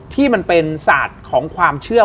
ที่มันเป็นศาสตร์ของความเชื่อ